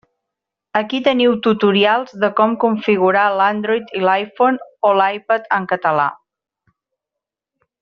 Aquí teniu tutorials de com configurar l'Android i l'iPhone o l'iPad en català.